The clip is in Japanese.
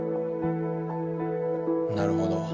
なるほど。